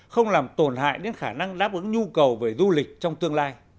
không làm tổn hại đến khả năng đáp ứng nhu cầu về du lịch trong tương lai